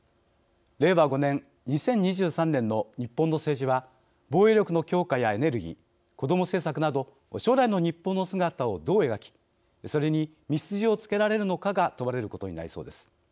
令和５年、２０２３年の日本の政治は、防衛力の強化やエネルギー、子ども政策など将来の日本の姿をどう描きそれに道筋をつけられるのかが問われることになりそうです。